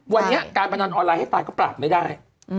วันนี้การพนันออนไลน์ให้ตายก็ปราบไม่ได้